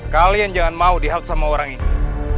kalian jangan mau dihaud sama orang ini